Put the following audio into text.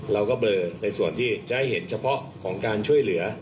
เบลอในส่วนที่จะให้เห็นเฉพาะของการช่วยเหลือ